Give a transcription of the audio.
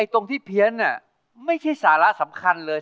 ตรงที่เพี้ยนไม่ใช่สาระสำคัญเลย